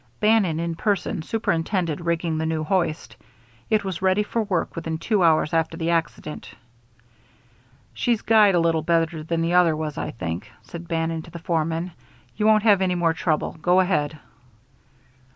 Bannon in person superintended rigging the new hoist. It was ready for work within two hours after the accident. "She's guyed a little better than the other was, I think," said Bannon to the foreman. "You won't have any more trouble. Go ahead."